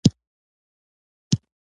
تاسو څه مسلک لرئ ؟